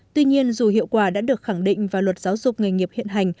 tuy nhiên dù hiệu quả đã được khẳng định vào luật giáo dục nghề nghiệp hiện hành